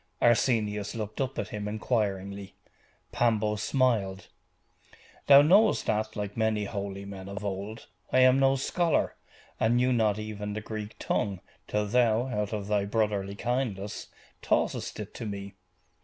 Arsenius looked up at him inquiringly. Pambo smiled. 'Thou knowest that, like many holy men of old, I am no scholar, and knew not even the Greek tongue, till thou, out of thy brotherly kindness, taughtest it to me.